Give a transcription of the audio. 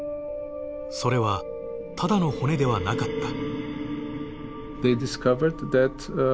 それはただの骨ではなかった。